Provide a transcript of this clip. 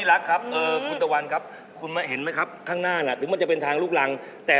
แห้งสมภาพหนูคุณตะวันดีกว่าลองแบบที่ใกล้กินกันดีกว่า